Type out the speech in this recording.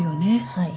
はい。